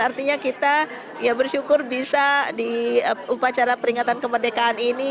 artinya kita ya bersyukur bisa di upacara peringatan kemerdekaan ini